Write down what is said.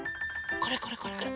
これこれこれこれ。